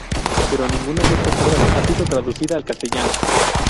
Pero ninguna de estas obras ha sido traducida al castellano